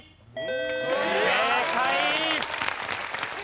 正解！